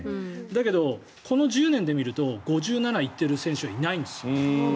だけどこの１０年で見ると５７行ってる選手はいないんですよ。